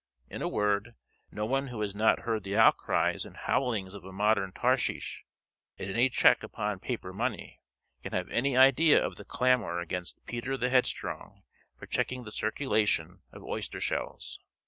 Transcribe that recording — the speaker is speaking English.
In a word, no one who has not heard the outcries and howlings of a modern Tarshish, at any check upon "paper money," can have any idea of the clamor against Peter the Headstrong for checking the circulation of oyster shells.